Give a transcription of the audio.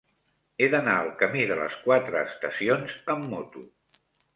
He d'anar al camí de les Quatre Estacions amb moto.